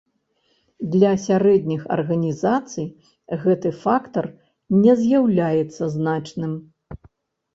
Для сярэдніх арганізацый гэты фактар не з'яўляецца значным.